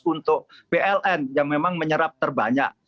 untuk pln yang memang menyerap terbanyak